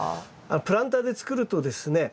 プランターで作るとですね